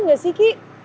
udah gak sih ki